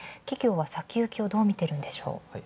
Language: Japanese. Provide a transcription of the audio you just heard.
企業は先行きをどう見ているんでしょう？